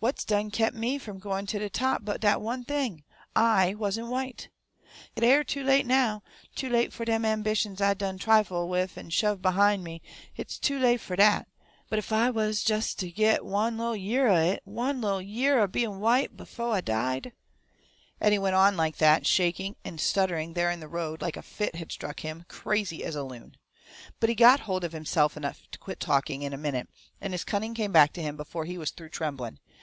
What's done kep' me from gwine ter de top but dat one thing: I WASN'T WHITE! Hit air too late now too late fo' dem ambitions I done trifle with an' shove behin' me hit's too late fo' dat! But ef I was des ter git one li'l year o' hit ONE LI'L YEAR O' BEIN' WHITE! befo' I died " And he went on like that, shaking and stuttering there in the road, like a fit had struck him, crazy as a loon. But he got hold of himself enough to quit talking, in a minute, and his cunning come back to him before he was through trembling.